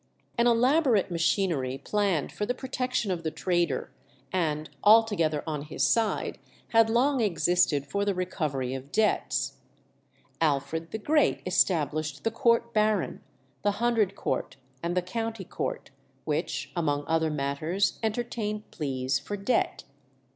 An elaborate machinery planned for the protection of the trader, and altogether on his side, had long existed for the recovery of debts. Alfred the Great established the Court Baron, the Hundred Court, and the County Court, which among other matters entertained pleas for debt.